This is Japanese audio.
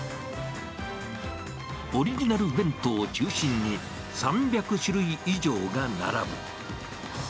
オリジナル弁当を中心に３００種類以上が並ぶ。